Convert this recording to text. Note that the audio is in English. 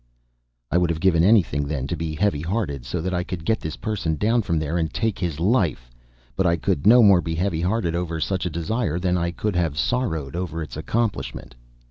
I would have given anything, then, to be heavyhearted, so that I could get this person down from there and take his life, but I could no more be heavy hearted over such a desire than I could have sorrowed over its accomplishment.